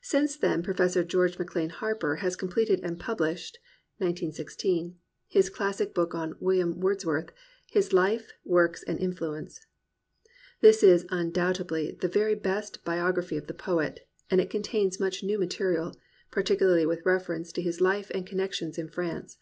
Since then Professor George McLean Harper has completed and published, (1916,) his classic book on William Wordsworth, His Life, Works, and In fluence, This is undoubtedly the very best biography of the poet, and it contains much new material, particularly with reference to his life and connec tions in France.